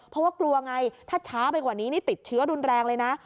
เพราะว่ากลัวไงถ้าช้าไปกว่านี้นี่ติดเชื้อรุนแรงเลยนะ